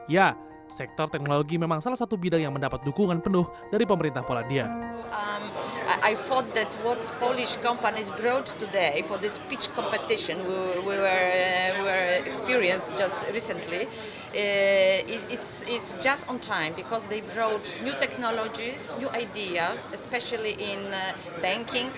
ya sektor teknologi memang salah satu bidang yang mendapat dukungan penuh dari pemerintah polandia